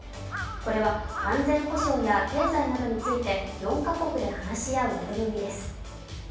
これは、安全保障や経済などについて４カ国で話し合う枠組みです。